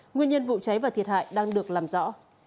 nguyên nhân vụ cháy và thiệt hại đang được làm rõ